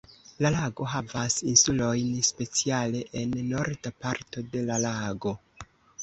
La lago havas insulojn speciale en norda parto de la lago.